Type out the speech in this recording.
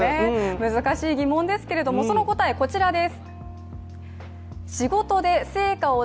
難しい疑問ですけれども、その答え、こちらです。